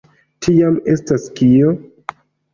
Tiam, estas kio?